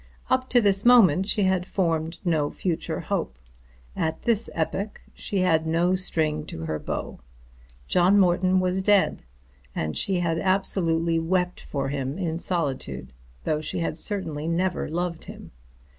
Up to this moment she had formed no future hope. At this epoch she had no string to her bow. John Morton was dead; and she had absolutely wept for him in solitude, though she had certainly never loved him.